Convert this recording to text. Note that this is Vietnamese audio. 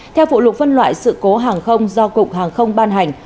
theo phụ lục phân loại sự cố hàng không do cục hàng không ban hành